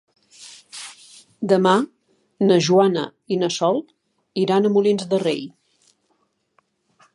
Demà na Joana i na Sol iran a Molins de Rei.